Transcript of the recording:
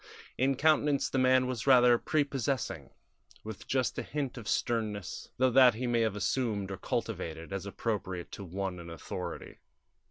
In countenance the man was rather prepossessing, with just a hint of sternness; though that he may have assumed or cultivated, as appropriate to one in authority.